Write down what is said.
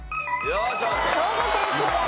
兵庫県クリアです。